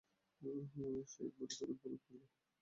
সে একবারও চোখের পলক ফেলল।